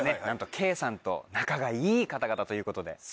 なんと圭さんと仲がいい方々ということで。